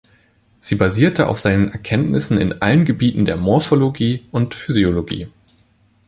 Sie basiert auf seinen Erkenntnisse in allen Gebieten der Morphologie und Physiologie.